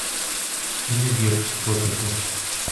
І не вір, котику.